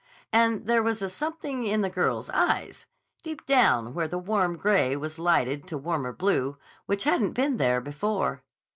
And there was a something in the girl's eyes, deep down where the warm gray was lighted to warmer blue, which hadn't been there before.